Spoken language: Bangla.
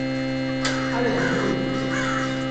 আরে, ধুর।